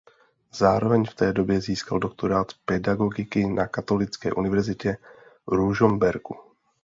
Zároveň v té době získal doktorát pedagogiky na Katolické univerzitě v Ružomberku.